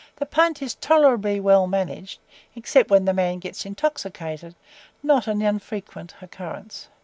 The punt is tolerably well managed, except when the man gets intoxicated not an unfrequent occurrence.